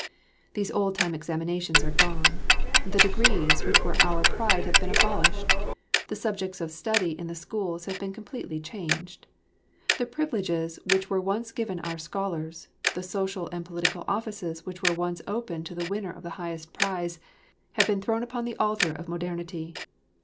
These old time examinations are gone, the degrees which were our pride have been abolished, the subjects of study in the schools have been completely changed. The privileges which were once given our scholars, the social and political offices which were once open to the winner of the highest prize, have been thrown upon the altar of modernity.